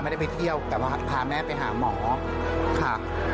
ไม่ได้ไปเที่ยวแต่ว่าพาแม่ไปหาหมอค่ะ